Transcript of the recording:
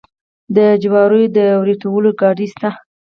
د جوارو د وریتولو ګاډۍ شته.